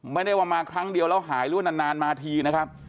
ไม่ได้ว่ามาครั้งเดียวแล้วหายหรือว่านานมาทีนะครับ